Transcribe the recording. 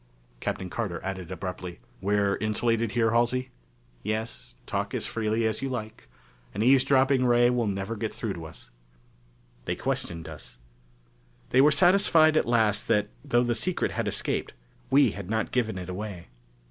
Captain Carter added abruptly, "We're insulated here, Halsey?" "Yes. Talk as freely as you like. An eavesdropping ray will never get through to us." They questioned us. They were satisfied at last that, though the secret had escaped, we had not given it away.